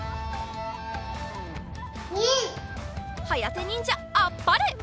はやてにんじゃあっぱれ。